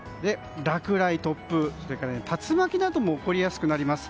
落雷、突風竜巻なども起こりやすくなります。